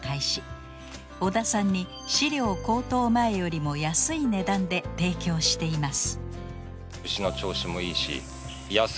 尾田さんに飼料高騰前よりも安い値段で提供しています。